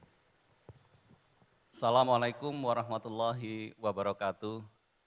assalamualaikum warahmatullahi wabarakatuh